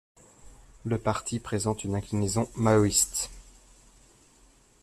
Le parti présente une inclinaison maoïste.